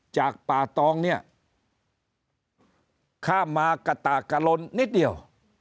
จากป่าตองเนี่ยข้ามมากะตากะลนนิดเดียว